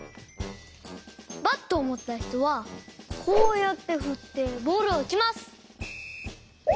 バットをもったひとはこうやってふってボールをうちます。